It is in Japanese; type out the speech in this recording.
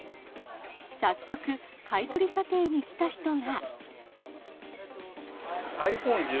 早速、買い取り査定に来た人が。